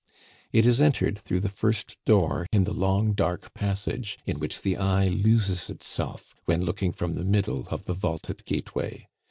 It is entered through the first door in the long dark passage in which the eye loses itself when looking from the middle of the vaulted gateway.